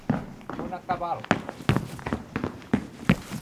On acabà el rei?